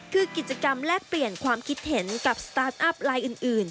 คือกิจกรรมแลกเปลี่ยนความคิดเห็นกับสตาร์ทอัพไลน์อื่น